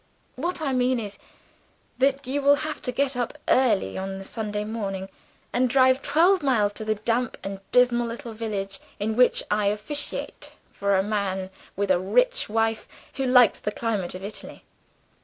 What I mean is, that you will have to get up early on Sunday morning, and drive twelve miles to the damp and dismal little village, in which I officiate for a man with a rich wife who likes the climate of Italy.